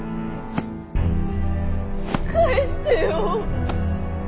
返してよ。